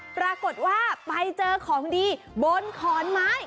ปรากฏว่าไปเจอของดีบนขอนไม้